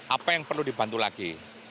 apa yang perlu dibantu lagi